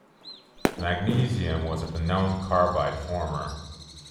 Magnesium was a known carbide former.